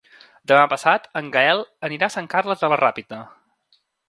Demà passat en Gaël anirà a Sant Carles de la Ràpita.